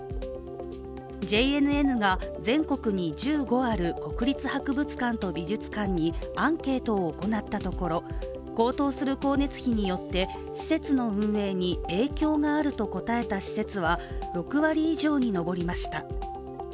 ＪＮＮが全国に１５ある国立博物館と美術館にアンケートを行ったところ、高騰する光熱費によって施設の運営に影響があると答えた施設は６割以上に上りました。